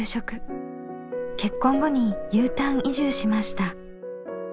結婚後にＵターン移住しました。